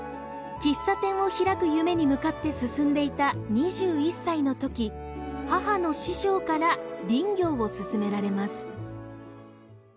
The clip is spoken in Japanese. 喫茶店を開く夢に向かって進んでいた２１歳の時母の師匠から林業を勧められます。